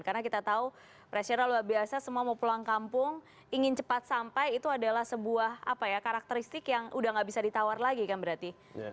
karena kita tahu presiden lalu biasa semua mau pulang kampung ingin cepat sampai itu adalah sebuah karakteristik yang sudah tidak bisa ditawar lagi kan berarti